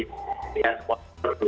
sebelumnya emang saya itu salah satu